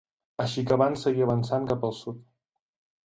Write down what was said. Així que van seguir avançant cap al sud.